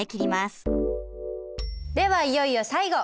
ではいよいよ最後。